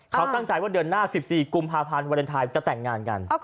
เขาตั้งใจว่าเดือนหน้า๑๔กุมภาพันธ์วาเลนไทยจะแต่งงานกัน